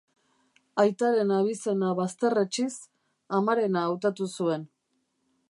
Aitaren abizena bazterretsiz, amarena hautatu zuen.